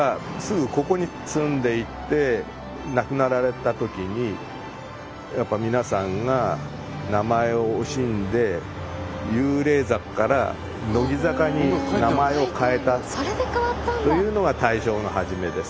亡くなられた時にやっぱ皆さんが名前を惜しんで幽霊坂から乃木坂に名前を変えたというのが大正の初めです。